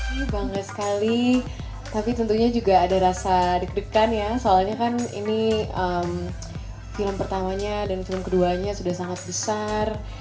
ini bangga sekali tapi tentunya juga ada rasa deg degan ya soalnya kan ini film pertamanya dan film keduanya sudah sangat besar